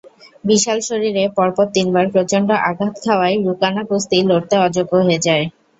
বিশাল শরীরে পরপর তিনবার প্রচণ্ড আঘাত খাওয়ায় রুকানা কুস্তি লড়তে অযোগ্য হয়ে যায়।